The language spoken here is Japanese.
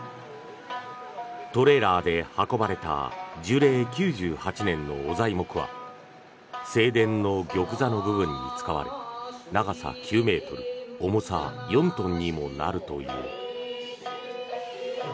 トレーラーで運ばれた樹齢９８年の御材木は正殿の玉座の部分に使われ長さ９ｍ、重さ４トンにもなるという。